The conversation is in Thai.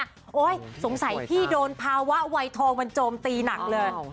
โอ๊ยสงสัยพี่โดนภาวะวัยทองมันโจมตีหนักเลย